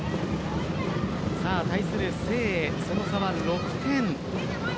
対する誠英、その差は６点。